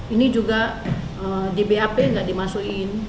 ini juga di bap nggak dimasukin